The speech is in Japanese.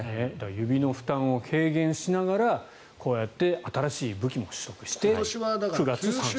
指の負担を軽減しながらこうやって新しい武器も取得して９月、３勝。